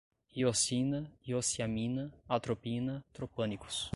hioscina, hiosciamina, atropina, tropânicos